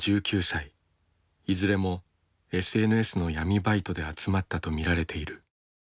いずれもＳＮＳの闇バイトで集まったと見られている。